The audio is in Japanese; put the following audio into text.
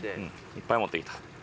いっぱい持ってきた。